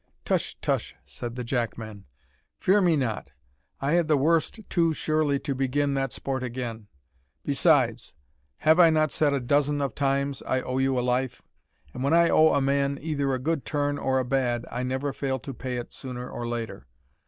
"Tush! tush!" said the Jackman, "fear me not; I had the worst too surely to begin that sport again. Besides, have I not said a dozen of times, I owe you a life? and when I owe a man either a good turn or a bad, I never fail to pay it sooner or later.